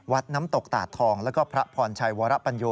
น้ำตกตาดทองแล้วก็พระพรชัยวรปัญโย